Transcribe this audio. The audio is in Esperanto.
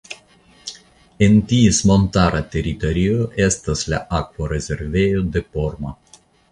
En ties montara teritorio estas la Akvorezervejo de Porma.